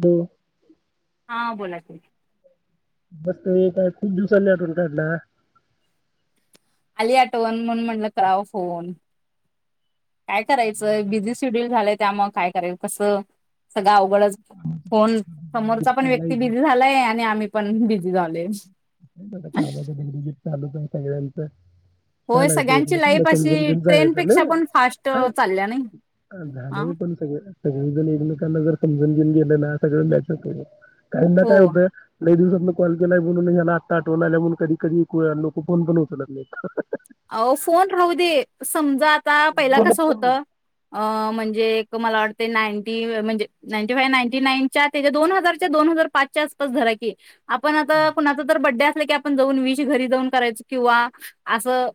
बो हा बोला ताई. मस्त एक काय खूप दिवसांनी आठवण काढल्या. आली आठवन म्हणून म्हणल करावं फोन. काय करायचंय बिझीस शेड्यूल झालंय त्या मग काय करेल कस. सगळं अवघडच फोन समोरचा पण व्यक्ती चालायचं बिझी झालाय आणि आम्ही पण बिझी झालोय. [unintelligible] चालूच आहे सगळ्यांचं होय चालायच सगळ्यांची एकमेकांना लाईफ अशी समजम जायचं ना ट्रेनपेक्षा पण फास्ट हाय चालल्या नाही. हा झालंय पण सगळ सगळेजण एकमेकांना जर समजून घेऊन गेलं ना सगळं न्यायच पूढे काही ना काय हो होतय लई दिवसात न कॉल केलाय म्हणून ह्याला ताटवून आल्या म्हणून कधी कधी [unintelligible] अहो फोन राहू दे समजात आता पहिला बोलत कसं पण होत नाहीत अ म्हणजे मला वाटते नाईंटी म्हणजे नाईंटी फाय नाईंटी नाईनच्या त्या दोन हजारच्या दोन हजार पाचच्या आसपास धरा की आपन आता कुणाच तर बड्डे असत की आपण जाऊन विष घरी जाऊन करायच किंवा असं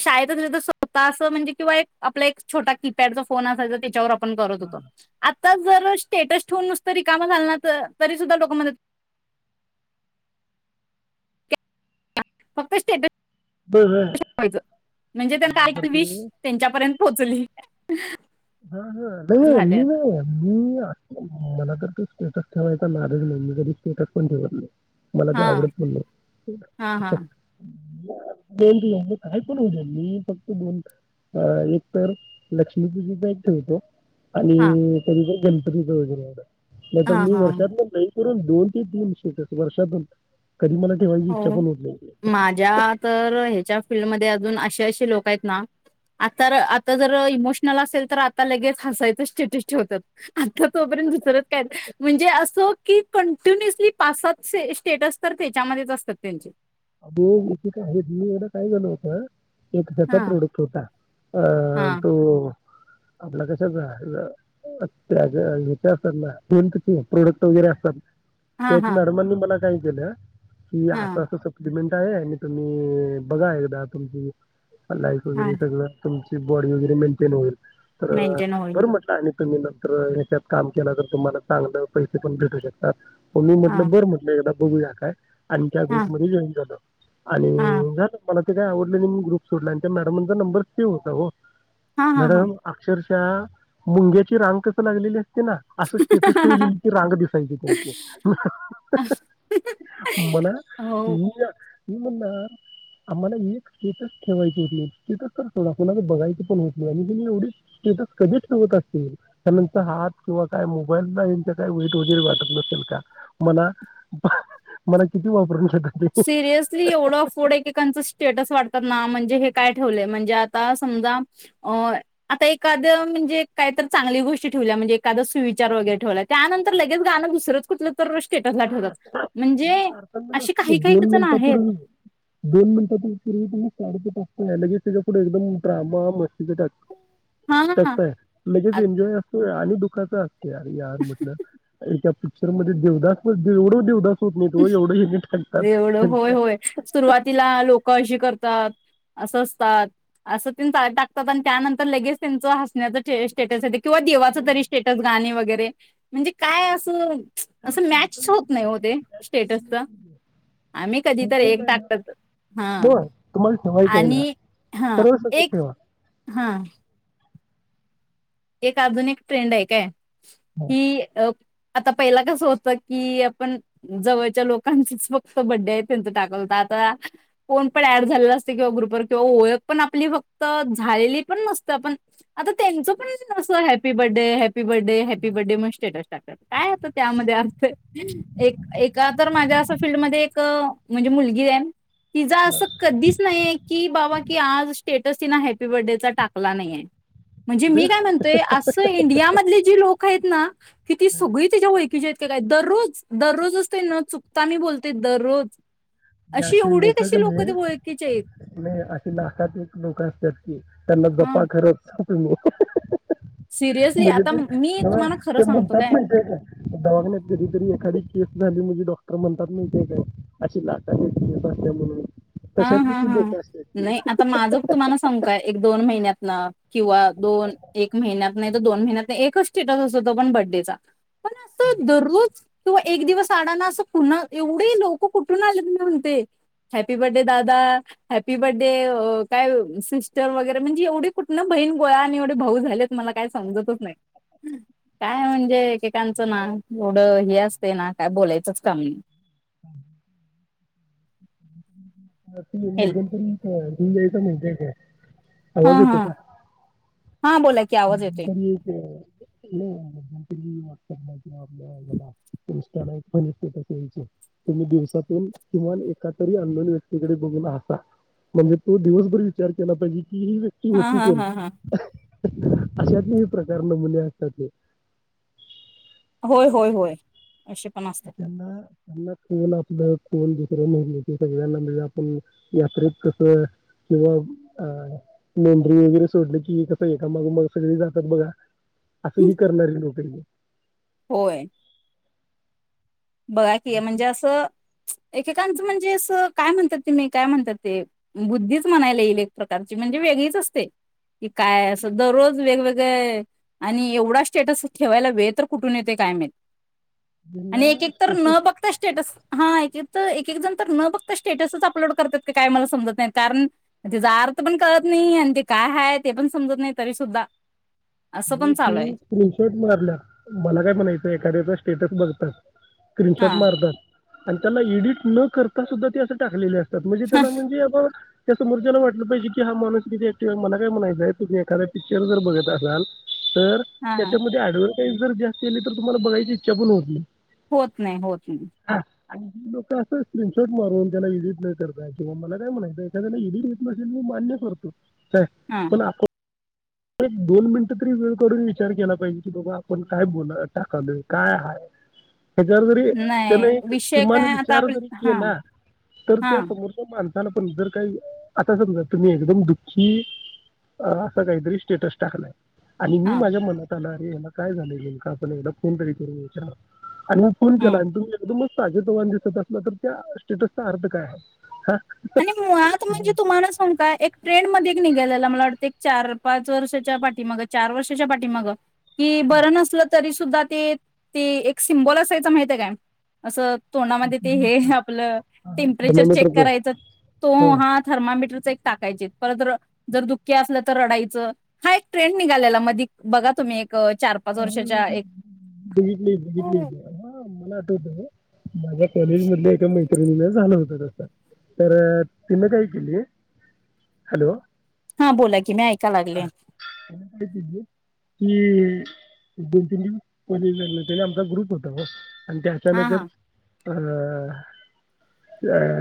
शाळेत अस तर स्वतः अस म्हणजे किंवा एक आपला एक छोटा कीपॅडचा फोन असायचा त्याच्यावर अप ण करत होत जर स्टेटस ठेवून नुसतं रिकामा झाल ना तरी सुद्धा लोक म्हणतात फक्त स्टेटस बरं ठेवायच म्हणजे त्यां काय तर त्या विष ते त्यांच्यापर्यंत. पोचली ह ह. हा हा नाही नाही मी आहे. मला तर ते स्टेटस ठेवायचा नादज नाहीये, मी कधी स्टेटस पण ठेवत नाही. मला ते हा आवडत पण नाही. हा हा काही पण होऊ दे, मी फक्त दोनदा एक तर लक्ष्मीपूजन भेट होते. हा आणि तरी पण जरी. [unintelligible] नाहीतर हा मी हा वर्षातून एक करून दोन ते तीन शिवतात वर्षातून. कधी मला ठेवायची इच्छा हो पण होत नाही. माझ्या तर ह्याच्या फील्डमध्ये अ अशी अशी लोक आहेत ना, आता आ जर इमोशनल असेल तर आता लगेच हसायचं स्टेटस ठेवतात. आत्ता तोपर्यंत परत काय, म्हणजे अस की कंटिन्युसली पासच हे स्टेटस तर्फे. त्यामध्येच असतात त्यांचे दोन कोटीचा हे बिल व्हायला काय झालं होतं? एक त्याचा हा प्रोडक्ट होता, अ हा तो. आपल्या कस झालं त्याचा विचारताना एक प्रॉडक्ट वगैरे असतो. हा एक हा नॉर्मली मला काही गेल्या कि हा आता कसं मिटा आहे आणि तुम्ही बघा एकदा तुमची लाईफ हा वगैरे सगळं तुमच बॉडी वगैरे मेंटेन होईल. तर मेंटेन होईल बरं म्हटलं आणि तुम्ही नंतर ह्याच्यात काम केलं तर तुम्हाला चांगलं पैसे पण भेटू शकतात. मग मी हा म्हटलं बर म्हटलं एकदा बघूया काय आणि त्या हा ग्रूपमध्ये जॉईन आणि हा झालं मला ते काही आवडलं मी ग्रुप सोडला आणि त्या मॅडमा्नचा नंबर सेव्ह होता हो हा हा हा मॅडम अक्षर त्या मुंग्याची रांग कस लागलेली ते ना असं स्टेटस ठेवलेली्ची रांगच दिसायची ह ह मला हो मी मी म्हणणार आम्हाला एक स्टेटस ठेवायची हो स्टेटस तर सोड कोणाला बघायची पण हो आणि तूही एवढी स्टेटस कधी ठेवत असल त्यानंतर हात किंवा काय मोबाईललाच्या काय वेट वगैरे वाटत नसेल का मला मला किती वापरून जात [unintelligible] सिरियसली एवढं अफोर्ड एकी कंच स्टेटस वाटत म्हणजे हे काय ठेवलंय म्हणजे आता समजा अ आता एखाद म्हणजे काहीत चांगली गोष्टी ठेवल्या म्हणजे एखाद सुविचार वगैरे ठेवला त्यानंतर लगेच गाणं दुसरंच कुठलं तर स्टेटसला ठेवात म्हणजे अर्थात अ नसते दोन मिनिटांपूर्वी दोन मिनिटापूर्वी [unintelligible] लगेच पुढ एकम ड्रामा म ता हा टाकतय म्हणजेच एन्जॉय असतो आणि दु कस तर यार मतलब एक आप पिक्चर मध्ये देवदास देऊड देवदास होत नाही तो एवढं हिने टाकतात एवढं होय त्यांच्या होय सुरुवातीला लोक अशी करत अस असतात अस तेन टाकतात त्यानंतर लगेच त्यांच हसण्याचा स्टे किंवा देवाचं तरी स्टेटस गाणे वगैरे म्हणजे काय असं त्याला असं मॅच तारतम्यच होत नाही हो तिथं ते त्याच स्टेटसच आम्ही कधी तर एक ठेवायचं आहे ना टाकत हा हो तुम्हाला ठेवायचं आहे ना आणि हा सरळ सकट एक ठेवा हा एक आधुनिक ट्रेंड आहे काय. हो. हि अ आता पहिला कसं होतं की, आपण जवळच्या लोकांचीच फक्त बर्थडे आहे. त्यांच टाकल तर आता कोण पण ऍड झालेला असते किंवा ग्रुपवर किंवा ओळख पण आपली फक्त झालेली पण नसते. आपण आता त्यांच अस happy birthday happy happy birthday happy birthday मग स्टेटस काय होत त्यामध्ये अर्थ एक ए तर माझ्या असं फीलडमध्ये एक म्हणजे मुलगी आहे. तिचां असं कधीच नाहीये की बाबा की आज स्टेटस हि ना हॅपी बर्थडेचा टाकला नाहीये. म्हणजे मी ते- मी काय म्हणततोय असं इंडिया मधले जी लोक आहेत ना की ती सगळी त्याच्या ओळखीची आहेत. ते काय दररोज दररोज असते न चुकता मी बोलते दररोज ती अशी एवढी लोक कशी कान्ही ते ओळखीचे आहेत असशी लाखात एक लोक असतात की. त्यांना हा जपा खरच. हो [unintelligible] सिरियसली म्हणजे आता ते मी तुम्हाला खरं ते सांगतो म्हणतात नाही काय का दवाखण्यात्यात कधीतरी एखादी केस झाली म्हणजे डॉक्टर म्हणतात मी ते काय अशी ला अ म्हण [unintelligible] हा हा हा नाही आता माझं तुम्हाला सांगु काय एक दोन महिन्यात किंवा दोन एक महिन्यात नाही. तर दोन महिन्यात नाही एकच स्टेटस असत तो पण बडेचा पण अस दररोज तुं एक दिवस अडाना, असं पुन्हा एवढे लोक कुठून आलेत मी म्हणते. हॅप्पी बर्थडे दादा हॅप्पी बर्थडे काय, सिस्टर वगैरे म्हणजे एवढी कुठ बहीण गोळा, आणि एवढे भाऊ झालेत मला काय समजतच नाही. काय म्हणजे एकेकांचं ना एवढं हे असतेय ना काय बोलायचंच काम नाही. न हॅलो मध्यमंतरी त जाई तर म्हणज [unintelligible] [inaudible] हा हा हा बोला की री आवाज येतोय [unintelligible] [unintelligible] आपल्याला पुष [unintelligible] म्हण कय तुम्ही दिवसातून, किमान एका तरी अननोन व्यक्तीकडे बघून हसा म्हणजे तो दिवसभर विचार केला पाहिजे ही व्यक्ती हा होती हा कोण. हा हा अशातली प्रकार नमुने असतात ते होय होय होय. असे पण असतात त्यांना त्यां [unintelligible] कोण आपलं कोण दुसऱ्या म्हटल, की सगळ्यांना म्हणजे आपण यात्रेत कसं किंवा अ मेंढरी वगैरे, सोडले कि कसं एकामागोमाग सगळे जातात बघा. असं ह करणारी लोक आहेत. होय. बघा कि म्हणजे असं. एकेकांचं म्हणजे असं काय म्हणतात ते मी काय म्हणतात ते बुद्धीच म्हणायला येईल एक प्रकारची म्हणजे वेगळीच असते. की काय असं दररोज वेगवेगळे आणि एवढा स्टेटस ठेवायला वेळ तर कुठून येतोय काय माहित? आणि एक एक [unintelligible] न बघता स्टेटस. हा एक एक तर एक एक जण तर न बघता स्टेटसच अपलोड करतात क काय मला समजत नाही कारण तचा अर्थ पण कळत नाही आणि ते काय आहे ते पण समजत नाही तरी सुद्धा. असं अहो पण ती चालू आहे स्क्रीनशॉट मारल्या मला काय म्हणायचं एखाद्याच. स्टेटस बघतात. हा स्क्रीनशॉट मारतात. आणि त्याला एडिट न करता सुद्धा ते असं टाकलेले आस. त्यात म्हणजे हा त्याला म्हणजे आपण. त्या समोरच्याला वाटलं पाहिज की हा माणूस किती ऍक्टिव्ह आहे मला काय म्हणायचय तुम् एखा्या पिक्चर जर बघत असल. तर हा त्याच्यामध्ये आडळ. जर जास्त आली तर तुम्हाला बघायची इच्छा पण होत नाही. होत नाही होत नाही. हा आणि लोक अस स्क्रीनशॉट मारून त्याला एडिट न करता किंवा मला काय म्हणायचं एखाद्याला एडिट येत नसेेल मी मान्य करतो. हा पण आपण. एक दोन मिनिटं तरी वेळ काढून करून विचार केला पाहिजे की बाबा आपण काय बोल टाकालोय काय हय. हच्यावर जरी नाही त्याने एक विषय किमान काय आता विचार आप जरी हा केला तर हा त्या समोरच माणस. झालं पण जर काही आता समजा तुम्ही एकदम दुःखी अ असं काहीतरी. स्टेटस टाकलाय. आणि मी हा माझ्या मनात आला. ला काय झालेल नेमकं आपण एकदा फोन तरी करू विचार. आणि मी फोन केला हम्म आणि तुम्ही एकदमच ताजे तवण दिसत असलं तर त्या स्टेटसचा अर्थ काय आहे हा. आणि मुळात म्हणजे तुम्हाला सांग का एक ट्रेंड मध्ये निघालेला मला वाटतय. चार-पाच वर्षाच्या पाठी माग चार वर्षाच्या पाठी माग. कि बर नसल तरी. सुद्धा ते ते एक सिम्बॉल असायचं माहिती आहे काय असं. तोंडामध्ये ते हे आपलं टेंपरेचर चेक थर्मामीटरचा करायचं. हो हा थर्मा. थर्मामीटरचं एक टाकायचे परत जर दुःखी असलं तर रडाच हा एक ट्रेंड निघालेला मधी बघा तुम्ही. चार पाच अ वर्षाच्या एक बीघीतलय-बिघीतलय हा मला आठवतं. माझ्या कॉलेज मधली एका मै. तन झालं होत तस तर तिन काय केली हॅलो हा बोला की मी ऐका लागले कायते कि दोन तीन दिवस पलीले त्या आमचा ग्रुप होता बस. आणि त्या हा अचानकच हा अ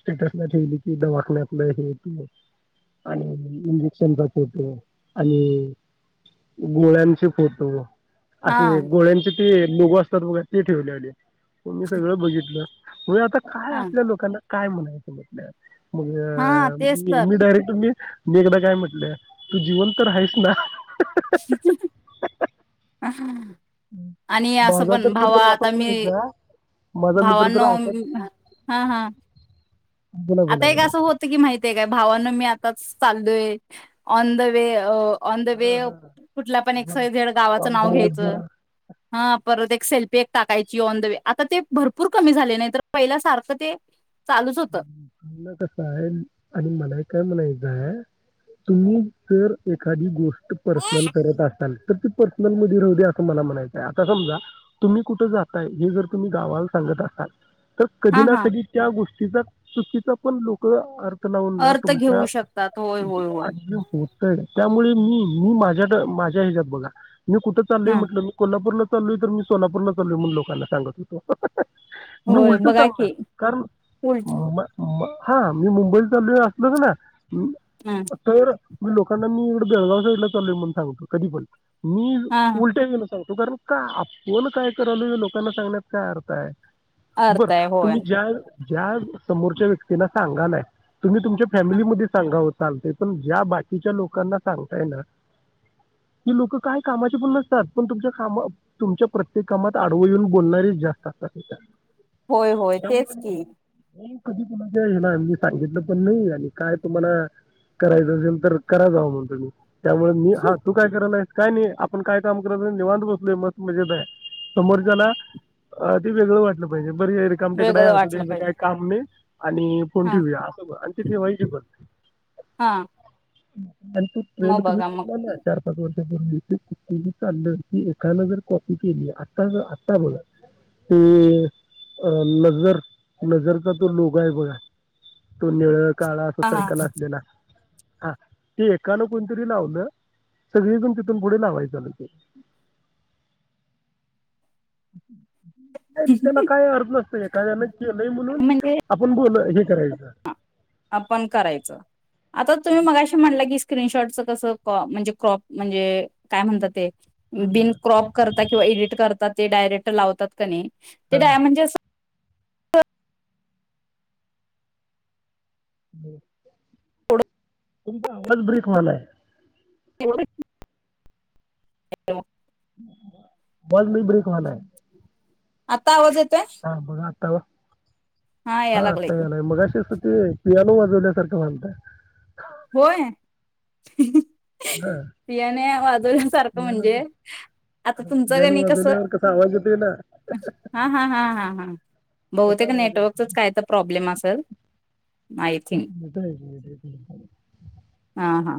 स्टेटसला ठेवली की दवाखान्यातलं हेे ते आणि इंजेक्शनचा फोटो आणि गोळ्यांचे फोटो असे हा गोळ्यांचे ते लोगो असतात बघा ते ठेवलेवले तुम्ही सगळं बघितलं हो आता काय हा असल्या लोकांना काय म्हणायच म्हटलं. हा तेच मग तर मी डायरेक्ट मी मी एकदा काय म्हटलंय तू जिवंत तर आहेस ना ह ह ह..... अहं आणि असं माझा पण तर भावा मित्र असा आता मी.. म्हणायचा माझा मित्र भावांनो तर अशा मी.... हा हा बोला, आता बोला, एक बोला. असं होतं की माहतीये आहे काय भावानो मी आ..... आताच चाललोय on the way a..... on the way हां, हां. कुठल्या पण एक्स वाय झेड च गावाचं बरं. नाव घ्यायचं बरं. हा परत एक सेल्फी एक टाकायची ऑन द वे आता ते भरपूर कमी झाले नाही तर पहिल्या सारखं ते चालूच होत ना कस आहे आणि मला काय म्हणायचं आहे तुम्ही जर एखादी गोष्ट तर पर्सनल करत असताल तर ते पर्सनल मध्ये राहू दे असं मला म्हणायचं आहे आता समजा तुम्ही कुठं जाताय हे जर तुम्ही गावाला सांगत असाल तर कधी हा ना हा कधी त्या गो... तिचा चू.. चुकीचा पण लोक अर.... लावून ना अर्थ तुमचा घेऊ शकतात होय [inaudible] होय होय क त्यामुळे मी.. मी माझ्या माझ्या ह्याच्याात बोला मी कुठ चालय ह म्हटलंी कोल्हापूर चाललोय तर मी सोलापूरला चालो म्हणून लोकांना सांगत होतो मी उलट सांगणार कारण उ म- हा मी मुंबईला चाललोय असलो ना हा तर मी लोकांना ने मी इकडे बेळगाव साईडला चाल्लो म्हणून सांगतो कधी पण मी हा उलटे गेलो साहेब तर कारण का आपण काय करालो लोकांना सांगण्यात काय अर्थ आहे. बर अर्थ आहे होय तुम्ही ज्या समोरच्या व्यक्तीला सांगालाय. तुम्ही तुमच्या फॅमिलीमध्ये सांगा. चालतय पण ज्या बाकीच्या लोकांना सांगताय ना. ती लोक काय कामाचे पण नसतात पण तुमच्या काम तुमच्या प्रत्येक कामात आडव येऊन बोलणारेच जास्त असतातात. होय होय तेच की कधी तुच्या हे ना आी सांगितलं पण नाही आणि काय तुम्हाला करायचं असेल तर कराचवं म्हणतुम्ही त्यामुळे मी हा तू काय करला आहे. काय नाही आपण काय काम करत निवांत बसलोय मस्त मजेत ये समोरच्याला अ ते वेगळं वाटलं पाहिजे. बर ये रिकामटेकडा वेगळं असुदे. वाटलं पाहिजे आणि आणि फोन हा ठेवूया असं म्हणायचे आणि ते ठेवायचे पण ह हा [inaudible] आणि तो ट्रेंड मग तुम्ही बघा मग कुठून आणलाय चार पाच वर्ष. कु एखां जर कॉपी केली आता जर आता बघ, ते नजर नजर का तो लोगो आहे बघा तो निळ्या काळा असा हा हा सर्कल असलेला. हा ते एकालां कोणतरी लावलं सगळीजण तिथून पुढे लावायचं. [inaudible] तर त्याला काय अर्थ नसतो, एखाद्यान केलंय म्हणून म्हणजे आपण बोलाय हे करायचा. आपण करायचं. आता तुम्ही मगाशी म्हणला की स्क्रीनशॉटच कसं क म्हणजे क्रॉप म्हणजे काय म्हणतात. ते दिन क्रॉप करता किंवा एडिट करतात. ते डायरेक्ट लावतात का नाही. ते डाय म्हणजे अस हो. तुमचा आवाज ब्रेक व्हायलाय. [unintelligible] [unintelligible] वोल्युम ब्रेक व्हायलाय. आता आवाज येतो. हा कोण आताव या हा लागलाय की तर मगाशी अस ते पियानोवर सोन्यासारख मानता. होय ह ह. पियाण्या वाजवण्यासारखं पियानो म्हणजे आता तुमचं पियानो गणी कस हा वाजवल्यावर कसा आवाज येतोय ना हा हा हा हा. बहुतेक कसा आवाज येतो? नेटवर्कचच काय तर प्रॉब्लेम असेल, आय थिंक. मोठा आहे, मोठा आहे. हा हा.